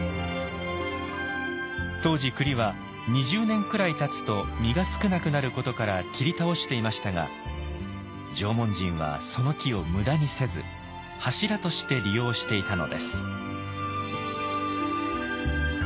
当時クリは２０年くらいたつと実が少なくなることから切り倒していましたが縄文人はその木を無駄にせず柱として利用していたのです。